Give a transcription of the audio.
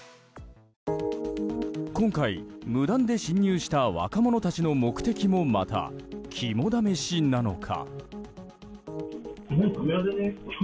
今回、無断で侵入した若者たちの目的もまた、肝試しなのか。